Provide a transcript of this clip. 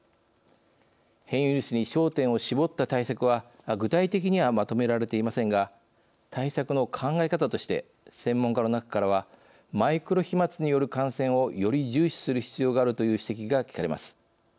変異ウイルスに焦点を絞った対策は具体的にはまとめられていませんが対策の考え方として専門家の中からはマイクロ飛まつによる感染をより重視する必要があるという指摘が聞かれます。